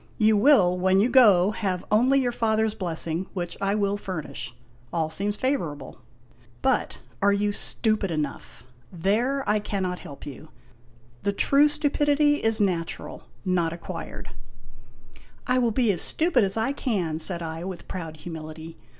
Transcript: You will, when you go, have only your father's blessing which I will furnish. All seems favorable. But are you stupid H4 IMAGINOTIONS enough ? There I cannot help you. The true stupidity is natural, not acquired." " I will be as stupid as I can," said I, with proud humility.